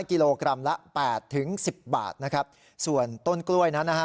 กิโลกรัมละแปดถึงสิบบาทนะครับส่วนต้นกล้วยนั้นนะฮะ